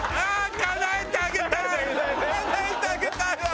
かなえてあげたいわ！